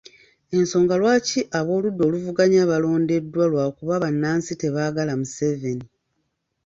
Ensonga lwaki ab’oludda oluvuganya baalondeddwa lwakuba bannansi tebaagala Museveni .